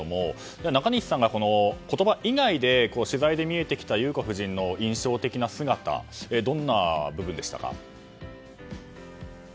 中西さんが、言葉以外で取材で見えてきた裕子夫人の印象的な姿はどんな部分でしたか？